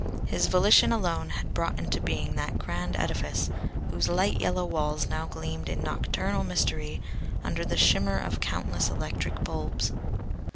His volition alone had brought into being that grand edifice whose light yellow walls now gleamed in nocturnal mystery under the shimmer of countless electric bulbs.